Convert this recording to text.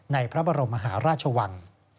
พระบรมมหาราชวัง